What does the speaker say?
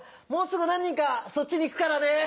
もうすぐ何人かそっちに行くからね！